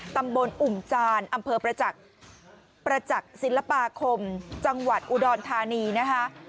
ตำบลอุ่มจานอำเภอประจักษ์ศิลปาคมจังหวัดอุดรธานีนะคะ